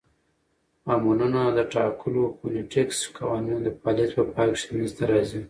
امونونه د ټاکلو فونیټیکښي قوانینو د فعالیت په پای کښي منځ ته راځي.